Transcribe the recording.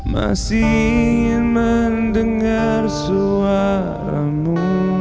masih ingin mendengar suaramu